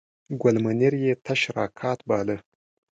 ګل منیر یې تش راکات باله.